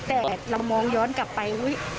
แต่ว่าแล้วมองย้อนกลับไปเฮ้ย